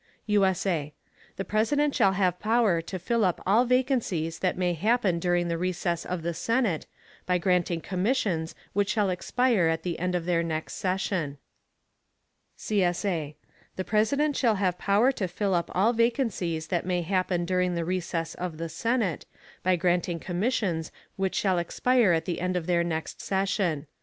_ [USA] The President shall have Power to fill up all Vacancies that may happen during the Recess of the Senate, by granting Commissions which shall expire at the End of their next Session. [CSA] The President shall have power to fill up all vacancies that may happen during the recess of the Senate, by granting commissions which shall expire at the end of their next session.